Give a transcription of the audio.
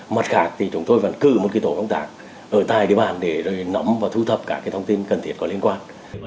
mặt khác thì chúng tôi vẫn cư một tổ công tác ở tại địa bàn để nắm và thu thập các thông tin cần thiết có liên quan